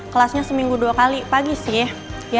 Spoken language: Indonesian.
kelasnya seminggu dua kali pagi sih ya